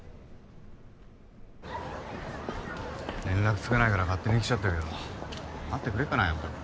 連絡付かないから勝手に来ちゃったけど会ってくれるかな。